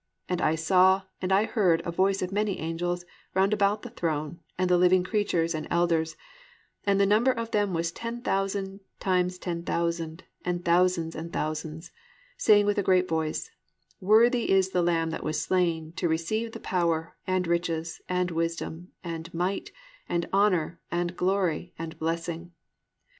And I saw, and I heard a voice of many angels round about the throne and the living creatures and elders; and the number of them was ten thousand times ten thousand, and thousands of thousands; saying with a great voice, Worthy is the Lamb that was slain to receive the power, and riches, and wisdom, and might, and honour, and glory, and blessing.